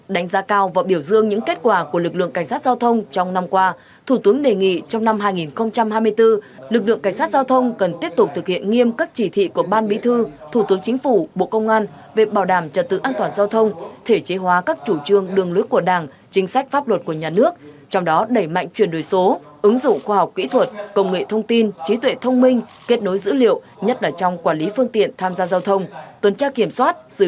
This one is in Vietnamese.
đánh giá cao và biểu dương những kết quả của lực lượng cảnh sát giao thông trong năm qua thủ tướng đề nghị trong năm hai nghìn hai mươi bốn lực lượng cảnh sát giao thông cần tiếp tục thực hiện nghiêm cấp chỉ thị của ban bí thư thủ tướng chính phủ bộ công an về bảo đảm trật tự an toàn giao thông thể chế hóa các chủ trương đường lưới của đảng chính sách pháp luật của nhà nước trong đó đẩy mạnh chuyển đổi số ứng dụng khoa học kỹ thuật công nghệ thông tin trí tuệ thông minh kết nối dữ liệu nhất là trong quản lý phương tiện tham gia giao thông tuần tra kiểm so